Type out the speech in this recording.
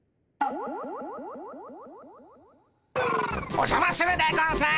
おじゃまするでゴンス。